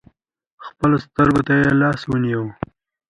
خپلو سترکو تې لاس ونیوئ .